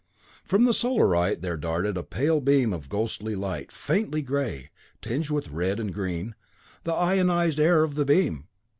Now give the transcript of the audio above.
From the Solarite there darted a pale beam of ghostly light, faintly gray, tinged with red and green the ionized air of the beam.